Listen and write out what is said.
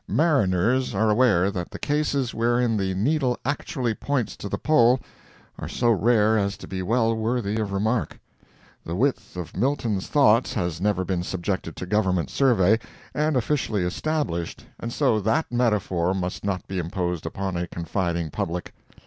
Mariners are aware that the cases wherein the needle actually points to the pole are so rare as to be well worthy of remark. The width of Milton's thoughts has never been subjected to government survey, and officially established, and so that metaphor must not be imposed upon a confiding public.